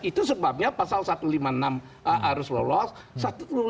itu sebabnya pasal satu ratus lima puluh enam harus lolos